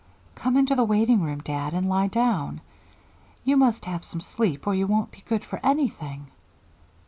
"Come into the waiting room, dad, and lie down. You must have some sleep or you won't be good for anything."